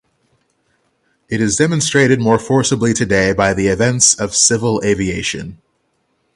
It is demonstrated more forcibly today by the events of civil aviation.